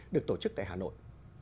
được tổ chức tại hà nội